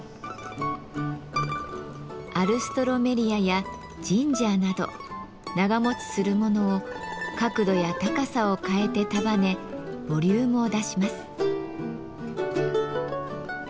アルストロメリアやジンジャーなど長もちするものを角度や高さを変えて束ねボリュームを出します。